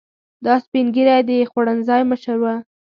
دا سپین ږیری د خوړنځای مشر و.